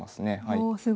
おすごい。